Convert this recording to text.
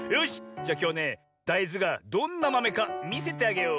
じゃきょうはねだいずがどんなまめかみせてあげよう。